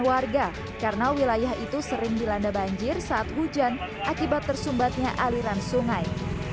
warga karena wilayah itu sering dilanda banjir saat hujan akibat tersumbatnya aliran sungai